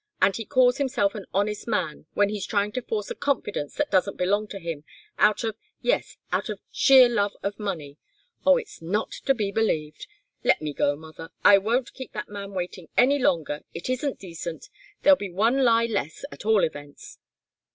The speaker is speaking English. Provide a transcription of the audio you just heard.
And he calls himself an honest man, when he's trying to force a confidence that doesn't belong to him, out of yes out of sheer love of money. Oh, it's not to be believed! Let me go, mother! I won't keep that man waiting any longer. It isn't decent. There'll be one lie less, at all events!"